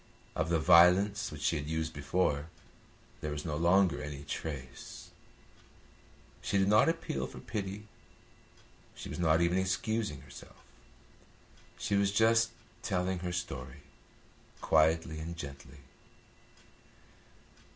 Of the violence which she had used before there was no longer any trace. She did not appeal for pity, she was not even excusing herself; she was just telling her story quietly and gently.